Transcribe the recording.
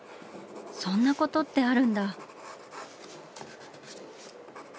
そんなことってあるんだ。